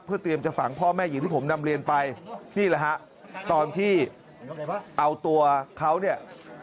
เพื่อเตรียมจะฝังพ่อแม่หญิงที่ผมนำเรียนไปนี่แหละฮะตอนที่เอาตัวเขาเนี่ย